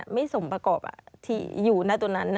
ไม่สมประกอบที่อยู่หน้าตรงนั้น